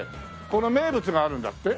ここの名物があるんだって？